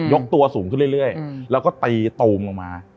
กตัวสูงขึ้นเรื่อยแล้วก็ตีตูมลงมา